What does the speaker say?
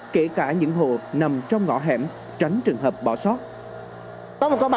kể cả những hộ nằm trong ngõ hẻm tránh trường hợp bỏ sót